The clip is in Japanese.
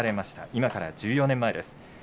今から１４年前です。